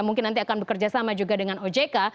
mungkin nanti akan bekerja sama juga dengan ojk